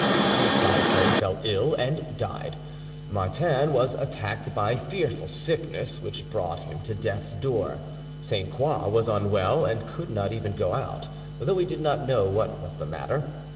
The apothecary fell ill and died; Martin was attacked by fearful sickness, which brought, him to death's door. Sainte Croix was unwell, and could not even go out, though he did not know what was the matter.